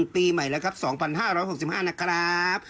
ปีใหม่แล้วครับ๒๕๖๕นะครับ